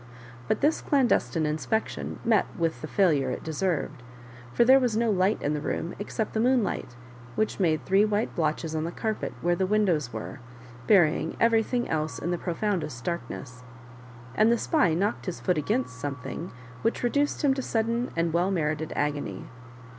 But this clandestine inspection met with the failure it deserved, for there was no light in the room except the moonlight, which made three white blotches on the carpet where the windows were, burying everything else in the profoundest darkness ; and the spy knocked his foot against something which reduced him to sudden and well merited agony.